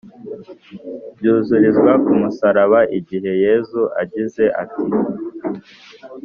byuzurizwa ku musaraba igihe yezu agize ati: